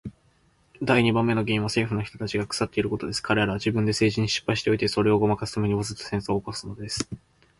第二番目の原因は政府の人たちが腐っていることです。彼等は自分で政治に失敗しておいて、それをごまかすために、わざと戦争を起すのです。